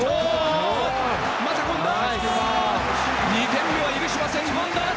２点目は許しません。